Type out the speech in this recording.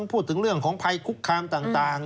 พูดถึงเรื่องของภัยคุกคามต่าง